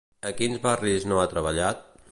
A quins barris no ha treballat?